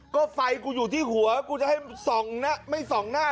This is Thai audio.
ก็ไฟกูอยู่ที่หัวกูจะให้ส่องนะไม่ส่องหน้า